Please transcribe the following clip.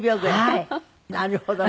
なるほど。